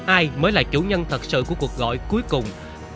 ai mới là chủ nhân thật sự của cuộc gọi cuối cùng